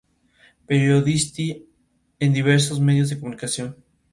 Dos días más tarde, firmó un acuerdo de varios años con los Timberwolves.